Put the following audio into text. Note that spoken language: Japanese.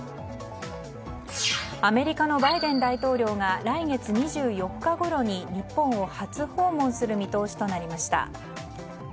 アメリカのバイデン大統領が来月２４日ごろに日本を初訪問する見通しとなりました。